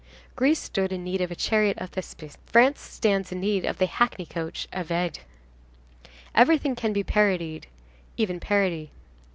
Greece stood in need of the chariot of Thespis, France stands in need of the hackney coach of Vadé. Everything can be parodied, even parody.